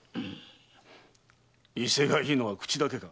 威勢がいいのは口だけか？